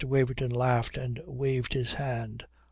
Waverton laughed and waved his hand.